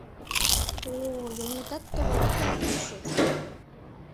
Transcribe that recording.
О-о! йылметат товарет гаяк писе!